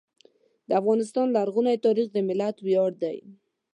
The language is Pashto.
د افغانستان لرغونی تاریخ د ملت ویاړ دی.